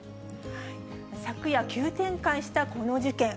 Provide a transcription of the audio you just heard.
昨夜、急展開したこの事件。